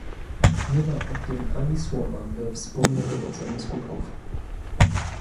Nie ma o tym ani słowa we wspomnianej ocenie skutków